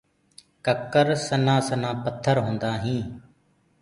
ڪڪر سنهآ سنهآ پٿر هوندآ هينٚ۔